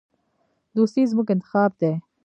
دوستي زموږ انتخاب دی.